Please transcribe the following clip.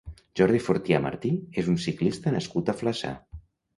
Jordi Fortià Martí és un ciclista nascut a Flaçà.